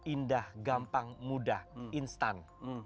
indah gampang mudah instan